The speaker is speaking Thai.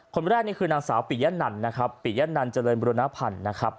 คนแรกนี่คือนางสาวปิยะนันนะครับปิยะนันเจริญบุรณพันธ์นะครับ